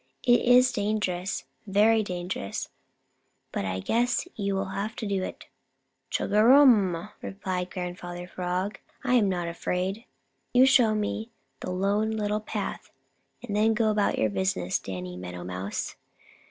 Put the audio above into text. It is dangerous, very dangerous, but I guess you will have to do it." "Chugarum!" replied Grandfather Frog, "I'm not afraid. You show me the Lone Little Path and then go about your business, Danny Meadow Mouse."